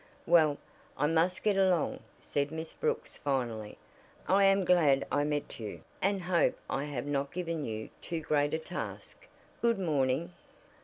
"Well, I must get along," said Miss Brooks finally. "I am glad I met you, and hope I have not given you too great a task. Good morning."